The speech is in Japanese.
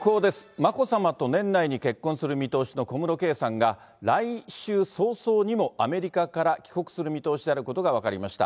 眞子さまと年内に結婚する見通しの小室圭さんが、来週早々にもアメリカから帰国する見通しであることが分かりました。